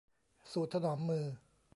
สูตรถนอมมือ